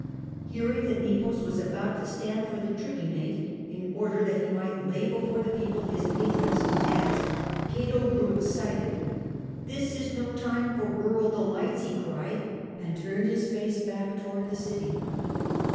Hearing that Nepos was about to stand for the tribunate, in order that he might lay before the people his patron's demands, Cato grew excited. This is no time for rural delights," he cried, and turned his face back towards the city.